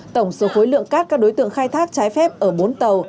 tổng số khối lượng cát các đối tượng khai thác trái phép ở bốn tàu